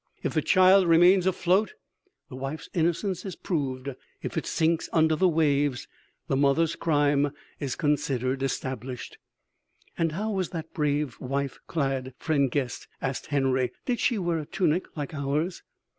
If the child remains afloat, the wife's innocence is proved; if it sinks under the waves, the mother's crime is considered established." "And how was that brave wife clad, friend guest?" asked Henory. "Did she wear a tunic like ours?"